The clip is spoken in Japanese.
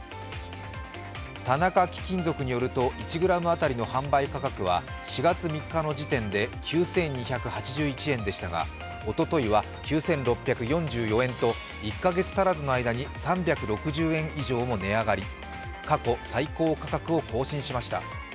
田中貴金属によると１ｇ当たりの販売価格は４月３日の時点で９２８１円でしたがおとといは９６４４円と１か月足らずの間に３６０円以上も値上がり、過去最高価格を更新しました。